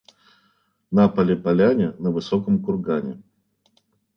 На поле — поляне, на высоком кургане.